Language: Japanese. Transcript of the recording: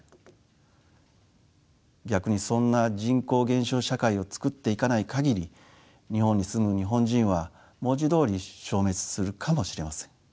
逆にそんな人口減少社会をつくっていかない限り日本に住む日本人は文字どおり消滅するかもしれません。